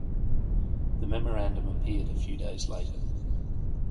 The memorandum appeared a few days later.